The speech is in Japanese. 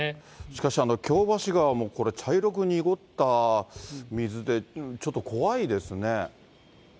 しかしきょうばし川もこれ、茶色く濁った水で、ちょっと怖いですね。